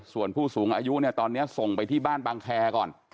ส่วนผู้สูงอายุเนี่ยตอนนี้ส่งไปที่บ้านบางแคร์ก่อน